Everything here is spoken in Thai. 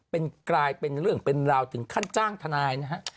เป็นกลายเป็นเรื่องเป็นราวถึงขั้นจ้างทนายนะฮะ